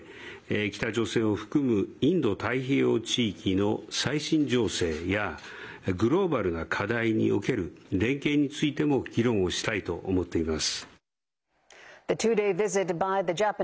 北朝鮮を含むインド太平洋地域の最新情勢やグローバルな課題における連携についても議論をしたいと思っています。